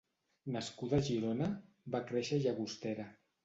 Nascuda a Girona, va créixer a Llagostera.